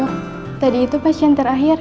oh tadi itu pasien terakhir